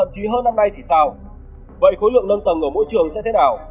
chỉ hơn năm nay thì sao vậy khối lượng nâng tầng ở mỗi trường sẽ thế nào